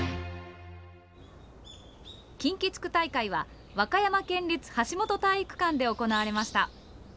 近畿地区大会は和歌山県立橋本体育館で行われました。